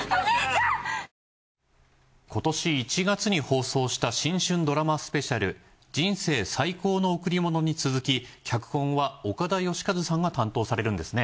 今年１月に放送した『新春ドラマスペシャル人生最高の贈りもの』に続き脚本は岡田惠和さんが担当されるんですね。